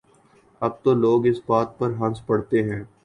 اب تو لوگ اس بات پر ہنس پڑتے ہیں۔